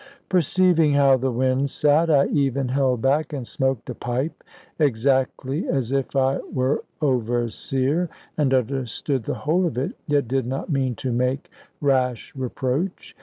Perceiving how the wind sate, I even held back, and smoked a pipe, exactly as if I were overseer, and understood the whole of it, yet did not mean to make rash reproach.